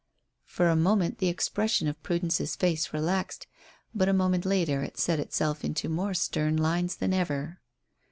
For a moment the expression of Prudence's face relaxed, but a moment later it set itself into more stern lines than ever.